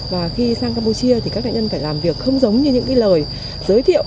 và khi sang campuchia thì các thanh niên phải làm việc không giống như những lời giới thiệu